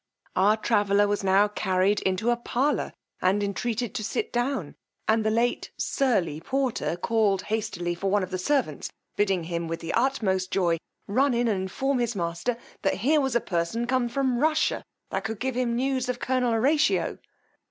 Our traveller was now carried into a parlour and entreated to sit down, and the late surly porter called hastily for one of the servants, bidding him, with the utmost joy, run in and inform his master that here was a person come from Russia that could give him news of colonel Horatio.